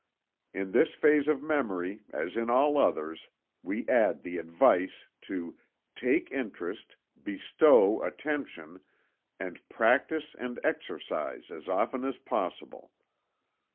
In this phase of memory, as in all others, we add the advice to: Take interest; bestow Attention; and Practice and Exercise as often as possible.